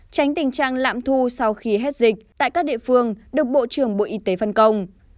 tránh tình trạng lạm thu sau khi hết dịch tại các địa phương được bộ trưởng bộ y tế phân công